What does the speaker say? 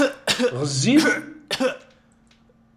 Ɣezzif?